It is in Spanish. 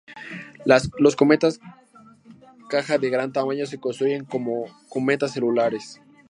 Las cometas caja de gran tamaño se construyen como cometas celulares.